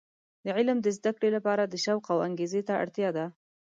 د علم د زده کړې لپاره د شوق او انګیزې ته اړتیا ده.